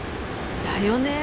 だよね。